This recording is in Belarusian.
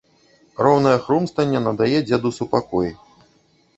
Роўнае хрумстанне надае дзеду супакой.